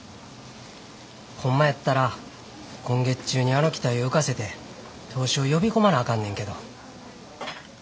ホンマやったら今月中にあの機体を浮かせて投資を呼び込まなあかんねんけど。